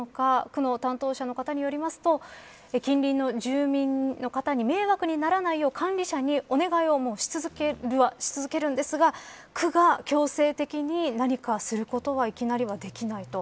区の担当者の方によりますと近隣の住民の方に迷惑にならないよう管理者にお願いをし続けるんですが区が強制的に何かをすることはいきなりはできないと。